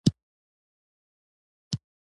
د سلطنت او حاکمیت ستنې یې ولړزولې.